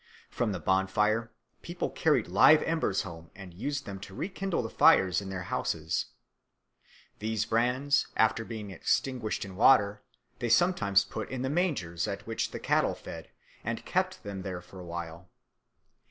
From the bonfire people carried live embers home and used them to rekindle the fires in their houses. These brands, after being extinguished in water, they sometimes put in the managers at which the cattle fed, and kept them there for a while.